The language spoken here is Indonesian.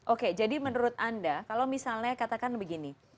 oke jadi menurut anda kalau misalnya katakan begini